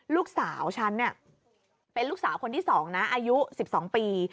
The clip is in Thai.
ลูกสาวฉันเนี่ยเป็นลูกสาวคนที่๒นะอายุ๑๒ปี